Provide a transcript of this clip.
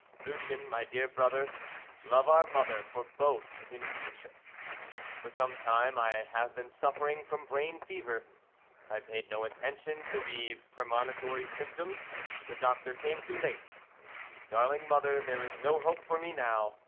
"Lucien, my dear brother, love our mother for both in future. "For some time I have been suffering from brain fever. I paid no attention to the premonitory symptoms the doctor came too late. Darling mother, there is no hope for me now.